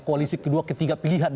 koalisi kedua ketiga pilihan